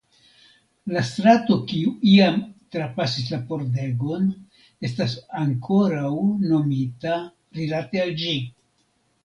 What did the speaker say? La strato kiu iam trapasis la pordegon estas ankoraŭ nomita rilate al ĝi.